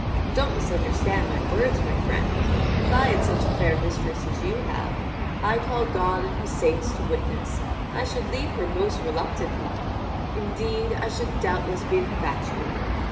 Don't misunderstand my words, my friend: if I had such a fair mistress as you have, I call God and His saints to witness, I should leave her most reluctantly; indeed, I should doubtless be infatuated.